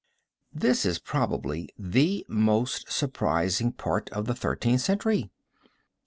This is probably the most surprising part of the Thirteenth Century.